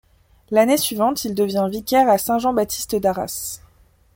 L'année suivante, il devient vicaire à Saint-Jean-Baptiste d'Arras.